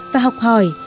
và học hỏi